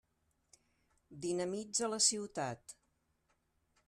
Dinamitza la ciutat.